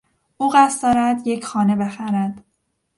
او قصد دارد یک خانه بخرد.